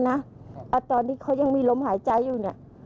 แต่ตอนนี้เขายังมีลมหายใจอยู่